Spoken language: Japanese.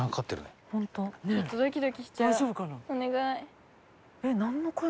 お願い。